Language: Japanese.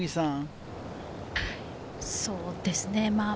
そうですね。